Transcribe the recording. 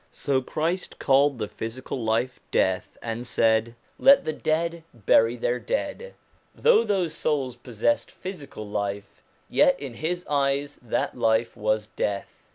So Christ called the physical life death, and said :' Let the dead bury their dead.' Though those souls possessed physical life, yet in his eyes that life was death.